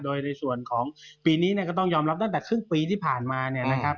โดยในส่วนของปีนี้เนี่ยก็ต้องยอมรับตั้งแต่ครึ่งปีที่ผ่านมาเนี่ยนะครับ